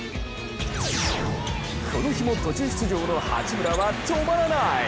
この日も途中出場の八村は止まらない！